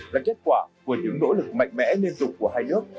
là kết quả của những nỗ lực mạnh mẽ liên tục của hai nước